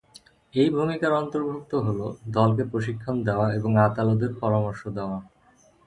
এই ভূমিকার অন্তর্ভুক্ত হল, দলকে প্রশিক্ষণ দেওয়া এবং আদালতের পরামর্শ দেওয়া।